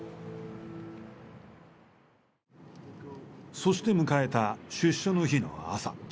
そして迎えた出所の日の朝。